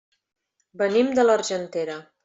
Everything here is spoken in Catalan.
Venim de l'Argentera.